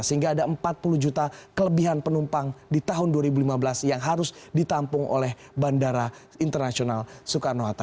sehingga ada empat puluh juta kelebihan penumpang di tahun dua ribu lima belas yang harus ditampung oleh bandara internasional soekarno hatta